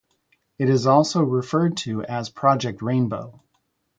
It is also referred to as Project Rainbow.